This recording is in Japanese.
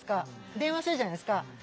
電話するじゃないですか。